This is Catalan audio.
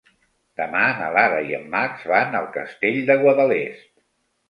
Demà na Lara i en Max van al Castell de Guadalest.